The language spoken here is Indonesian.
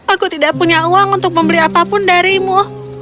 aku tidak punya uang untuk membeli apapun darimu